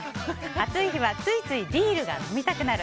暑い日はついついビールが飲みたくなる。